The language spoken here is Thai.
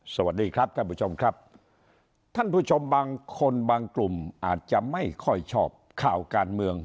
สวัสดีครับท่านผู้ชมครับท่านผู้ชมบางคนบางกลุ่มอาจจะไม่ค่อยชอบข่าวการเมือง